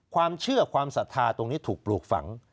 ความเชื่อความศรัทธาตรงนี้ถูกปลูกฝัง